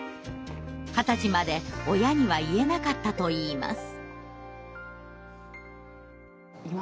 二十歳まで親には言えなかったといいます。